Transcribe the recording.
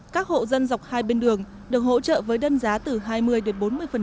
các hộ dân dọc hai bên đường được hỗ trợ với đơn giá từ hai mươi đến bốn mươi